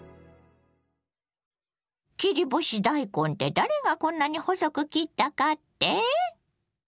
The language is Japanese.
切り干し大根って誰がこんなに細く切ったかって？